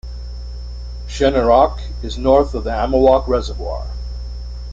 Shenorock is north of the Amawalk Reservoir.